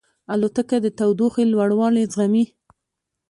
الوتکه د تودوخې لوړوالی زغمي.